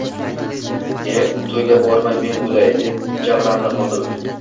– E, to‘yga bormay men o‘lay! – deb javrandi xotin